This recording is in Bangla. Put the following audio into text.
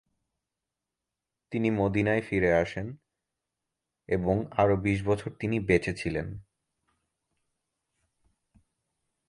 তিনি মদিনায় ফিরে আসেন এবং আরও বিশ বছর তিনি বেঁচে ছিলেন।